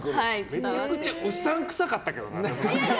めちゃくちゃうさんくさかったけどね。